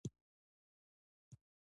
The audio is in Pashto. دوی په بدن کې د اوبو تعادل تنظیموي.